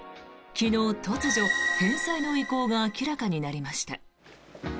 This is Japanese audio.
昨日、突如、返済の意向が明らかになりました。